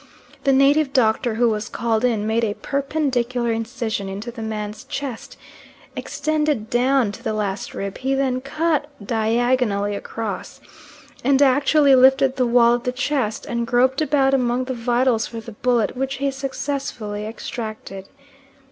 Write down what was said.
The native doctor who was called in made a perpendicular incision into the man's chest, extending down to the last rib; he then cut diagonally across, and actually lifted the wall of the chest, and groped about among the vitals for the bullet which he successfully extracted.